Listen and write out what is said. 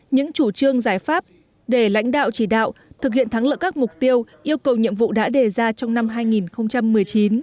những chủ trương giải pháp để lãnh đạo chỉ đạo thực hiện thắng lợi các mục tiêu yêu cầu nhiệm vụ đã đề ra trong năm hai nghìn một mươi chín